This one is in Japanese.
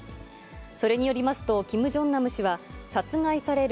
それによりますと、キム・ジョンナム氏は殺害される